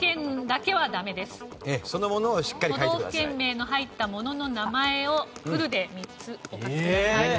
都道府県名の入ったものの名前をフルで３つお書きください。